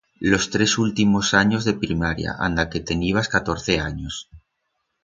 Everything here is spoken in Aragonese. Los tres ultimos anyos de primaria, anda que tenibas catorce anyos.